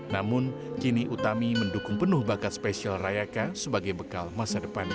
namun kini utami mendukung penuh bakat spesial rayaka sebagai bekal masa depan